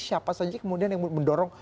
siapa saja kemudian yang mendorong